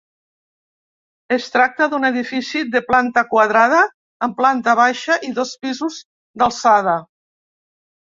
Es tracta d'un edifici de planta quadrada, amb planta baixa i dos pisos d'alçada.